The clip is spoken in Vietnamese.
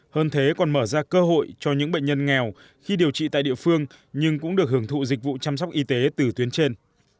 hơn thế còn mở ra cơ hội cho những bệnh nhân nghèo khi điều trị tại địa phương nhưng cũng được hưởng thụ dịch vụ chăm sóc y tế từ tuyến trên